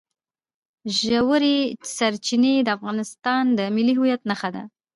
ژورې سرچینې د افغانستان د ملي هویت نښه ده.